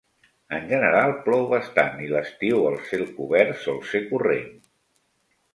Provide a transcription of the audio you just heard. En general plou bastant i l'estiu el cel cobert sol ser corrent.